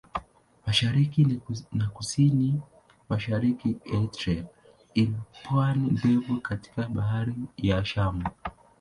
Mashariki na Kusini-Mashariki Eritrea ina pwani ndefu katika Bahari ya Shamu.